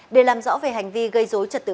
để làm rõ về hành vi gây dối trật tự